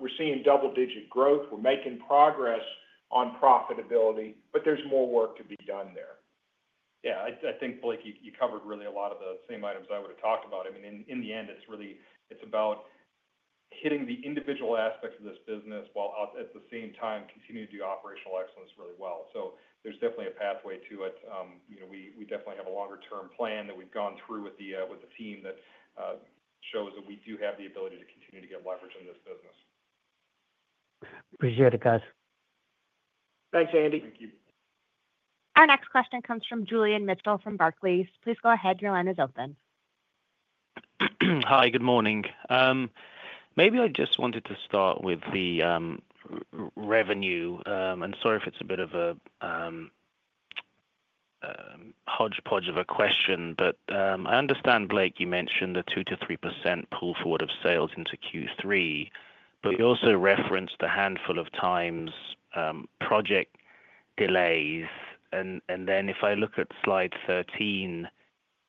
We're seeing double-digit growth. We're making progress on profitability, but there's more work to be done there. Yeah, I think, Blake, you covered really a lot of the same items I would have talked about. I mean, in the end, it's really about hitting the individual aspects of this business while at the same time continuing to do operational excellence really well. There's definitely a pathway to it. We definitely have a longer-term plan that we've gone through with the team that shows that we do have the ability to continue to get leverage in this business. Appreciate it, guys. Thanks, Andy. Thank you. Our next question comes from Julian Mitchell from Barclays. Please go ahead. Your line is open. Hi, good morning. Maybe I just wanted to start with the revenue. I'm sorry if it's a bit of a hodgepodge of a question, but I understand, Blake, you mentioned the 2%-3% pull forward of sales into Q3, but you also referenced a handful of times project delays. If I look at slide 13,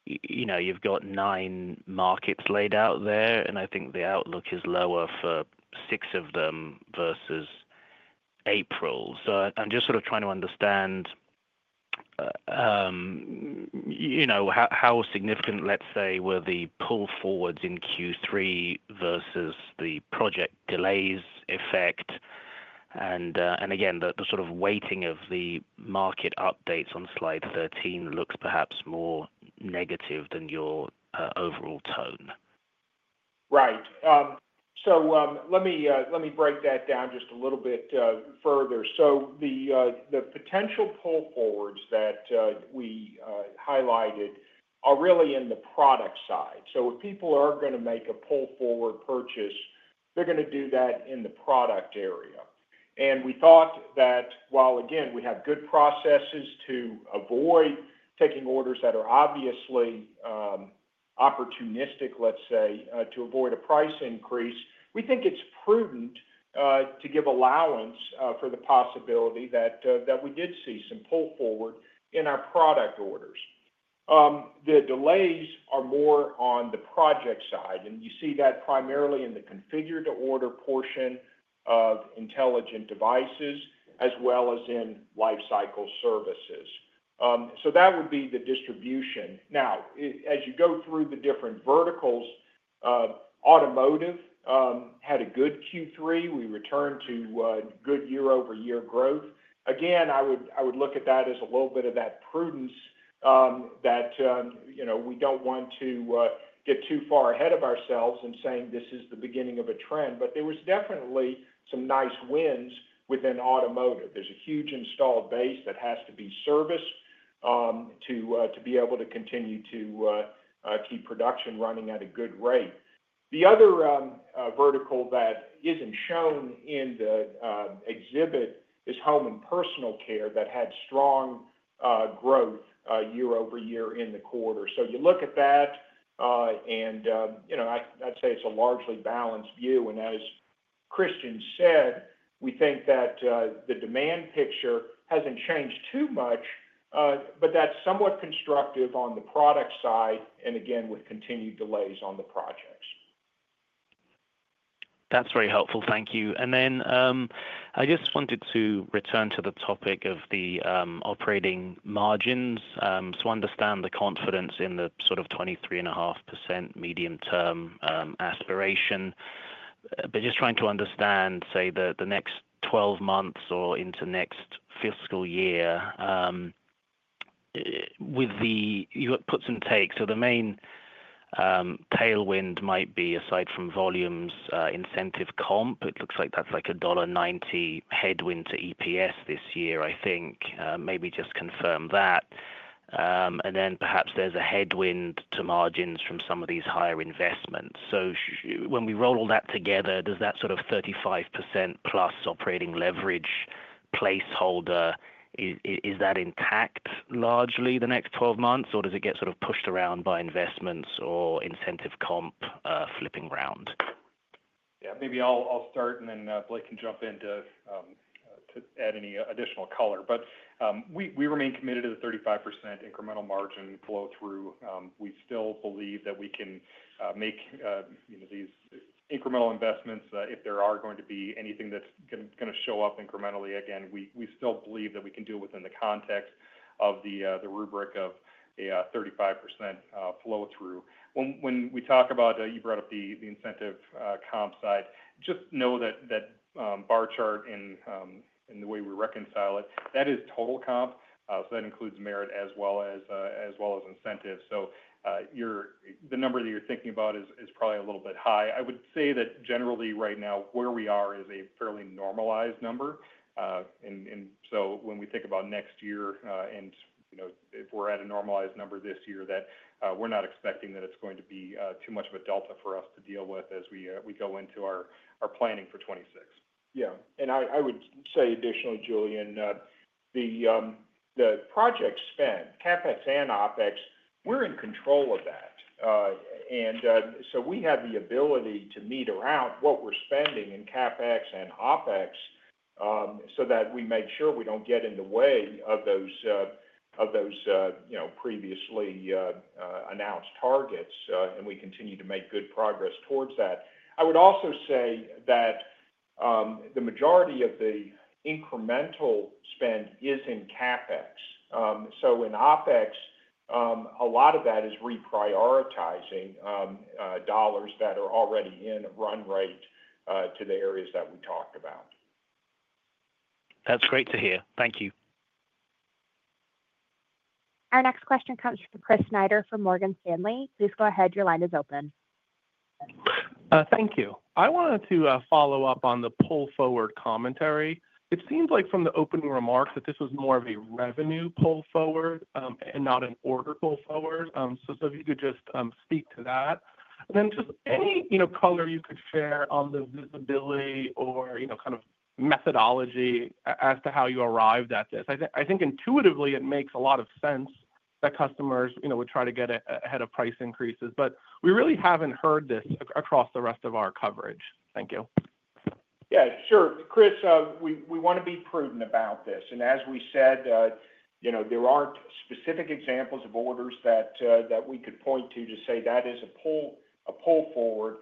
you've got nine markets laid out there, and I think the outlook is lower for six of them versus April. I'm just sort of trying to understand how significant, let's say, were the pull forwards in Q3 versus the project delays effect. Again, the sort of weighting of the market updates on slide 13 looks perhaps more negative than your overall tone. Right. Let me break that down just a little bit further. The potential pull forwards that we highlighted are really in the product side. If people are going to make a pull forward purchase, they're going to do that in the product area. We thought that while, again, we have good processes to avoid taking orders that are obviously opportunistic, let's say, to avoid a price increase, we think it's prudent to give allowance for the possibility that we did see some pull forward in our product orders. The delays are more on the project side, and you see that primarily in the configure-to-order portion of intelligent devices, as well as in lifecycle services. That would be the distribution. As you go through the different verticals, automotive had a good Q3. We returned to good year-over-year growth. I would look at that as a little bit of that prudence that, you know, we don't want to get too far ahead of ourselves in saying this is the beginning of a trend, but there were definitely some nice wins within automotive. There's a huge installed base that has to be serviced to be able to continue to keep production running at a good rate. The other vertical that isn't shown in the exhibit is home and personal care that had strong growth year-over-year in the quarter. You look at that, and you know, I'd say it's a largely balanced view. As Christian said, we think that the demand picture hasn't changed too much, but that's somewhat constructive on the product side, with continued delays on the projects. That's very helpful. Thank you. I just wanted to return to the topic of the operating margins to understand the confidence in the sort of 23.5% medium-term aspiration. I'm just trying to understand, say, the next 12 months or into next fiscal year with the puts and takes. The main tailwind might be, aside from volumes, incentive comp. It looks like that's like a $1.90 headwind to EPS this year, I think. Maybe just confirm that. Perhaps there's a headwind to margins from some of these higher investments. When we roll all that together, does that sort of 35%+ operating leverage placeholder, is that intact largely the next 12 months, or does it get pushed around by investments or incentive comp flipping around? Yeah, maybe I'll start and then Blake can jump in to add any additional color. We remain committed to the 35% incremental margin flow-through. We still believe that we can make these incremental investments if there are going to be anything that's going to show up incrementally again. We still believe that we can do it within the context of the rubric of a 35% flow-through. When we talk about, you brought up the incentive comp side, just know that bar chart in the way we reconcile it, that is total comp. That includes merit as well as incentives. The number that you're thinking about is probably a little bit high. I would say that generally right now where we are is a fairly normalized number. When we think about next year and, you know, if we're at a normalized number this year, we're not expecting that it's going to be too much of a delta for us to deal with as we go into our planning for 2026. Yeah, and I would say additionally, Julian, the project spend, CapEx and OpEx, we're in control of that. We have the ability to meter out what we're spending in CapEx and OpEx so that we make sure we don't get in the way of those previously announced targets, and we continue to make good progress towards that. I would also say that the majority of the incremental spend is in CapEx. In OpEx, a lot of that is reprioritizing dollars that are already in run rate to the areas that we talked about. That's great to hear. Thank you. Our next question comes from Chris Snyder from Morgan Stanley. Please go ahead. Your line is open. Thank you. I wanted to follow up on the pull forward commentary. It seems like from the opening remarks that this was more of a revenue pull forward and not an order pull forward. If you could just speak to that, and any color you could share on the visibility or kind of methodology as to how you arrived at this. I think intuitively it makes a lot of sense that customers would try to get ahead of price increases, but we really haven't heard this across the rest of our coverage. Thank you. Yeah, sure. Chris, we want to be prudent about this. As we said, there aren't specific examples of orders that we could point to to say that is a pull forward.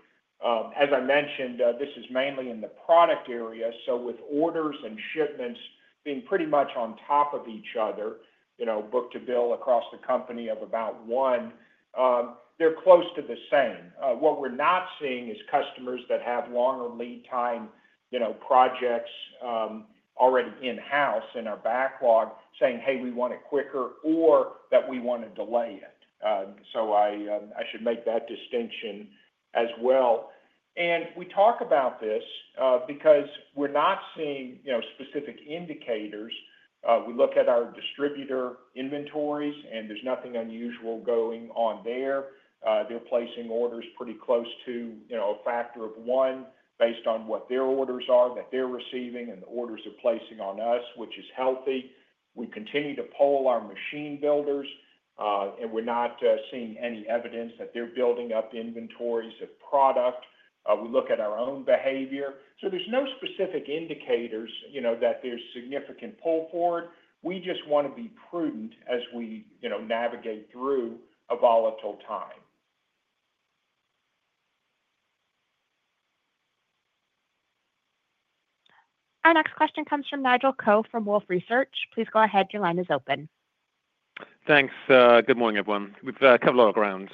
As I mentioned, this is mainly in the product area. With orders and shipments being pretty much on top of each other, book-to-bill across the company of about one, they're close to the same. What we're not seeing is customers that have longer lead time projects already in-house in our backlog saying, "Hey, we want it quicker," or that we want to delay it. I should make that distinction as well. We talk about this because we're not seeing specific indicators. We look at our distributor inventories, and there's nothing unusual going on there. They're placing orders pretty close to a factor of one based on what their orders are that they're receiving and the orders they're placing on us, which is healthy. We continue to poll our machine builders, and we're not seeing any evidence that they're building up inventories of product. We look at our own behavior. There's no specific indicators that there's significant pull forward. We just want to be prudent as we navigate through a volatile time. Our next question comes from Nigel Coe from Wolfe Research. Please go ahead. Your line is open. Thanks. Good morning, everyone. We've covered a lot of ground.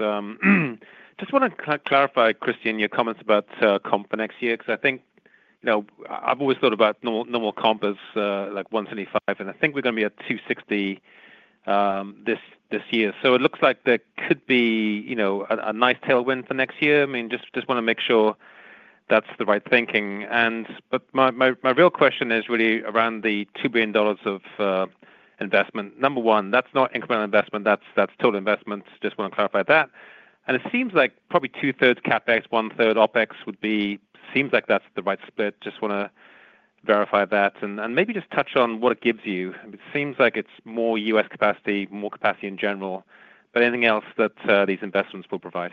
Just want to clarify, Christian, your comments about comp for next year because I think, you know, I've always thought about normal comp as like $175 million, and I think we're going to be at $260 million this year. It looks like there could be a nice tailwind for next year. I just want to make sure that's the right thinking. My real question is really around the $2 billion of investment. Number one, that's not incremental investment. That's total investment. Just want to clarify that. It seems like probably 2/3 CapEx, 1/3 OpEx would be, seems like that's the right split. Just want to verify that. Maybe just touch on what it gives you. It seems like it's more U.S. capacity, more capacity in general. Anything else that these investments will provide?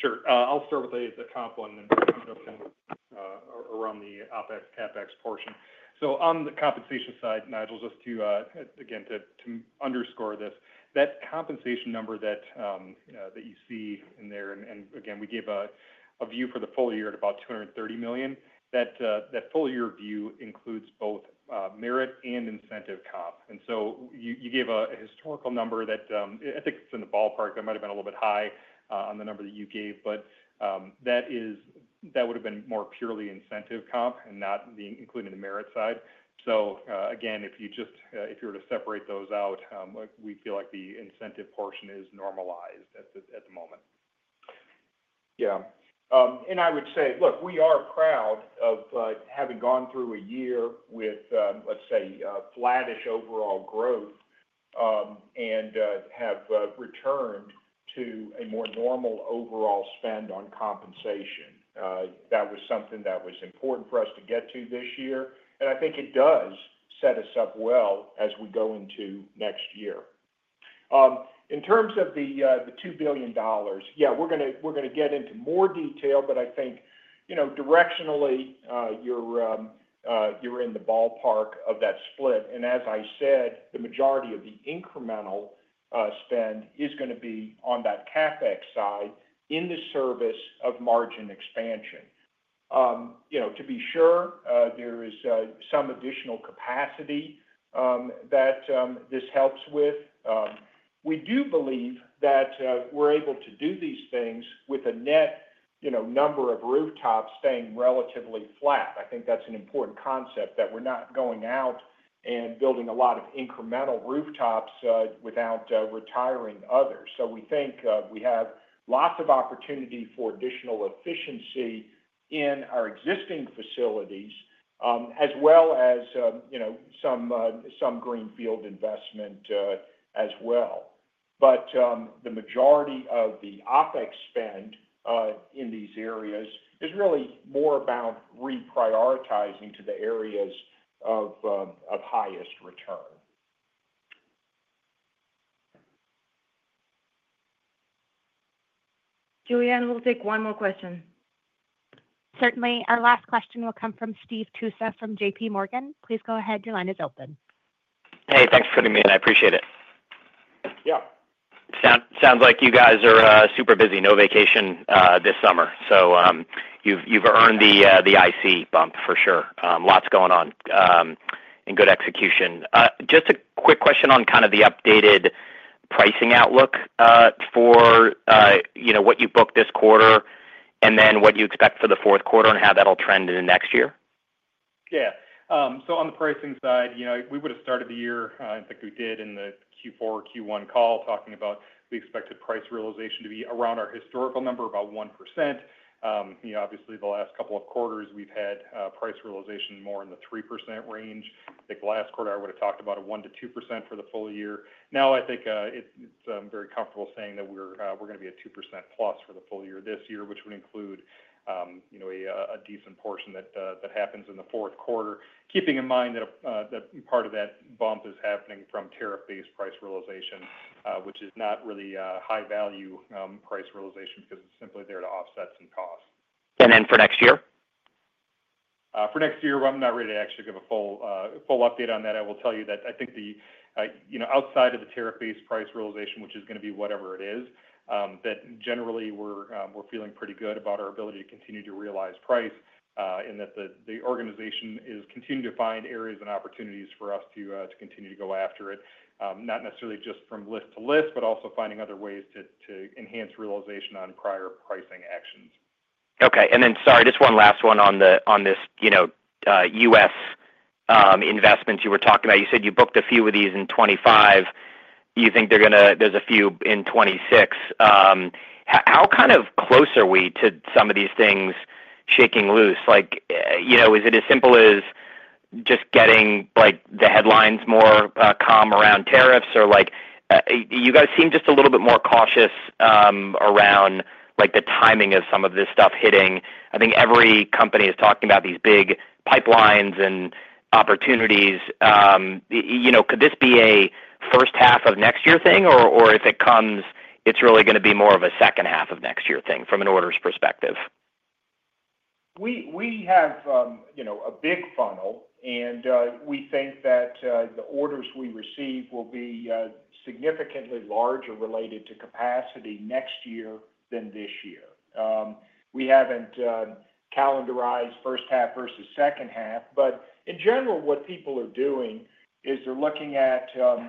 Sure. I'll start with the comp one and then kind of around the OpEx, CapEx portion. On the compensation side, Nigel, just to again underscore this, that compensation number that you see in there, and again, we gave a view for the full year at about $230 million. That full-year view includes both merit and incentive comp. You gave a historical number that I think is in the ballpark. That might have been a little bit high on the number that you gave, but that would have been more purely incentive comp and not being included in the merit side. If you were to separate those out, we feel like the incentive portion is normalized at the moment. Yeah. I would say, look, we are proud of having gone through a year with, let's say, flattish overall growth and have returned to a more normal overall spend on compensation. That was something that was important for us to get to this year. I think it does set us up well as we go into next year. In terms of the $2 billion, yeah, we're going to get into more detail, but I think, you know, directionally, you're in the ballpark of that split. As I said, the majority of the incremental spend is going to be on that CapEx side in the service of margin expansion. To be sure, there is some additional capacity that this helps with. We do believe that we're able to do these things with a net, you know, number of rooftops staying relatively flat. I think that's an important concept that we're not going out and building a lot of incremental rooftops without retiring others. We think we have lots of opportunity for additional efficiency in our existing facilities, as well as, you know, some greenfield investment as well. The majority of the OpEx spend in these areas is really more about reprioritizing to the areas of highest return. Julianne, we'll take one more question. Certainly. Our last question will come from Steve Tusa from JPMorgan. Please go ahead. Your line is open. Hey, thanks for putting me in. I appreciate it. Yeah. Sounds like you guys are super busy. No vacation this summer. You've earned the IC bump for sure. Lots going on and good execution. Just a quick question on the updated pricing outlook for what you booked this quarter and then what you expect for the fourth quarter and how that'll trend into next year? Yeah. On the pricing side, we would have started the year, I think we did in the Q4 or Q1 call, talking about the expected price realization to be around our historical number, about 1%. Obviously, the last couple of quarters, we've had price realization more in the 3% range. I think the last quarter, I would have talked about a 1%-2% for the full year. Now, I think it's very comfortable saying that we're going to be at 2%+ for the full year this year, which would include a decent portion that happens in the fourth quarter, keeping in mind that part of that bump is happening from tariff-based price realization, which is not really high-value price realization because it's simply there to offset some costs. For next year? For next year, I'm not ready to actually give a full update on that. I will tell you that outside of the tariff-based price realization, which is going to be whatever it is, generally, we're feeling pretty good about our ability to continue to realize price and that the organization is continuing to find areas and opportunities for us to continue to go after it, not necessarily just from list to list, but also finding other ways to enhance realization on prior pricing actions. Okay. Sorry, just one last one on this U.S. investments you were talking about. You said you booked a few of these in 2025. You think there's a few in 2026. How kind of close are we to some of these things shaking loose? Is it as simple as just getting the headlines more calm around tariffs? You guys seem just a little bit more cautious around the timing of some of this stuff hitting. I think every company is talking about these big pipelines and opportunities. Could this be a first half of next year thing? If it comes, it's really going to be more of a second half of next year thing from an orders perspective? We have a big funnel, and we think that the orders we receive will be significantly larger related to capacity next year than this year. We haven't calendarized first half versus second half, but in general, what people are doing is they're looking at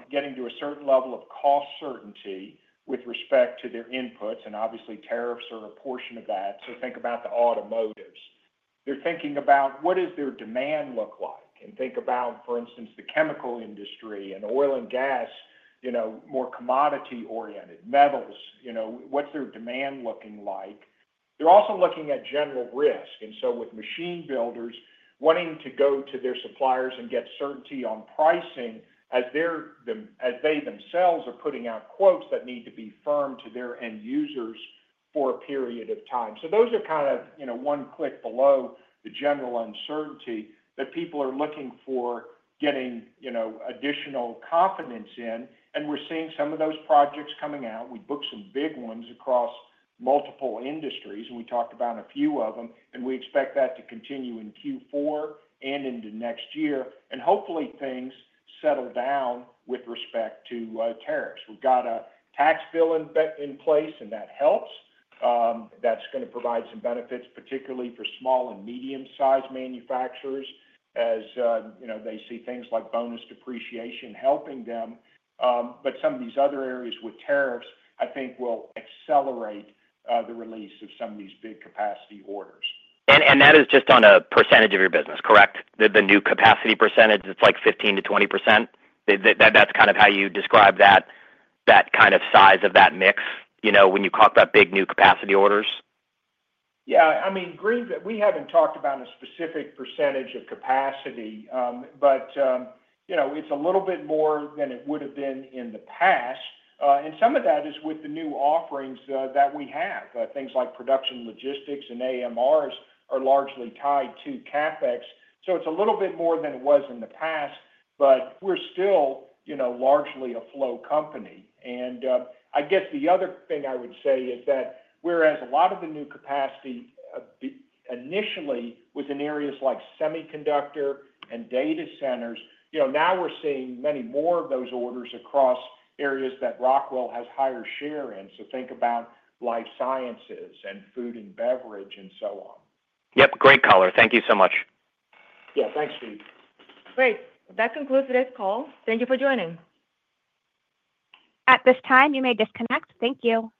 getting to a certain level of cost certainty with respect to their inputs, and obviously, tariffs are a portion of that. Think about the automotives. They're thinking about what does their demand look like? Think about, for instance, the chemical industry and oil and gas, more commodity-oriented, metals, what's their demand looking like? They're also looking at general risk. With machine builders wanting to go to their suppliers and get certainty on pricing as they themselves are putting out quotes that need to be firm to their end users for a period of time, those are kind of one click below the general uncertainty that people are looking for getting additional confidence in. We're seeing some of those projects coming out. We booked some big ones across multiple industries, and we talked about a few of them, and we expect that to continue in Q4 and into next year. Hopefully, things settle down with respect to tariffs. We've got a tax bill in place, and that helps. That's going to provide some benefits, particularly for small and medium-sized manufacturers as they see things like bonus depreciation helping them. Some of these other areas with tariffs, I think, will accelerate the release of some of these big capacity orders. That is just on a percentage of your business, correct? The new capacity percentage, it's like 15%-20%? That's kind of how you describe that kind of size of that mix, you know, when you talk about big new capacity orders? Yeah, I mean, we haven't talked about a specific percentage of capacity, but you know, it's a little bit more than it would have been in the past. Some of that is with the new offerings that we have. Things like production logistics and AMRs are largely tied to CapEx. It's a little bit more than it was in the past, but we're still, you know, largely a flow company. The other thing I would say is that whereas a lot of the new capacity initially was in areas like semiconductor and data centers, now we're seeing many more of those orders across areas that Rockwell has higher share in. Think about life sciences and food and beverage and so on. Yep, great caller. Thank you so much. Yeah, thanks, Steve. Great. That concludes today's call. Thank you for joining. At this time, you may disconnect. Thank you.